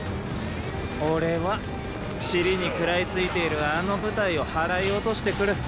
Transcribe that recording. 俺は尻にくらいついているあの部隊を払い落としてくる。